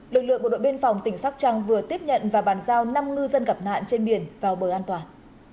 lực lượng bộ đội biên phòng tỉnh sóc trăng vừa tiếp nhận và bàn giao năm ngư dân gặp nạn trên biển vào bờ an toàn